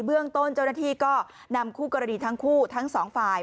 เรื่องต้นเจ้าหน้าที่ก็นำคู่กรณีทั้งคู่ทั้งสองฝ่าย